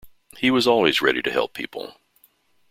He was always ready to help people.